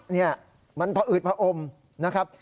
เนี่ยมันพออืดพออมนะครับ